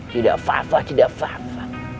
tidak fahfah tidak fahfah